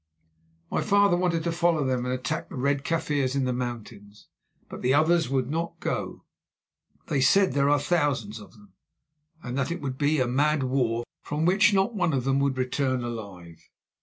My father wanted to follow them and attack the Red Kaffirs in the mountains, but the others would not go. They said there are thousands of them, and that it would be a mad war, from which not one of them would return alive.